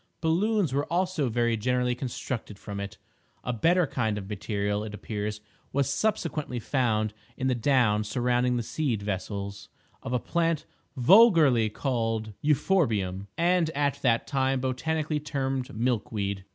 Balloons were also very generally constructed from it. A better kind of material, it appears, was subsequently found in the down surrounding the seed vessels of a plant vulgarly called euphorbium, and at that time botanically termed milk weed.